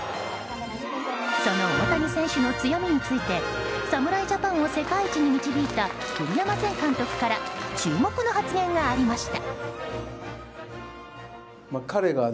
その大谷選手の強みについて侍ジャパンを世界一に導いた栗山前監督から注目の発言がありました。